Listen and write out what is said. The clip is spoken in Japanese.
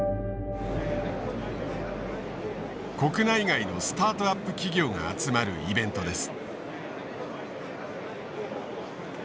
国内外のスタートアップ企業が集まるイベントです。